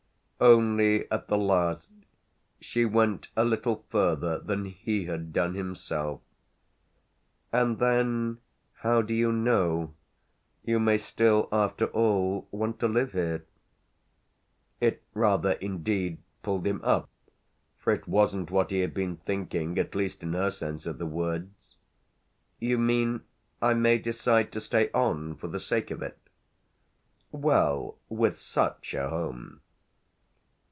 Only at the last she went a little further than he had done himself. "And then how do you know? You may still, after all, want to live here." It rather indeed pulled him up, for it wasn't what he had been thinking, at least in her sense of the words, "You mean I may decide to stay on for the sake of it?" "Well, with such a home